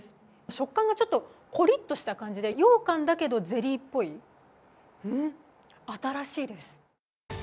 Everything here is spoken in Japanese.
食感がちょっとコリッとした感じで、ようかんだけどゼリーっぽいうん、新しいです。